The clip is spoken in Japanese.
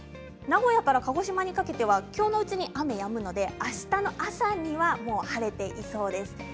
名古屋から鹿児島にかけてはきょうのうちに雨がやむのであしたの朝には晴れていそうです。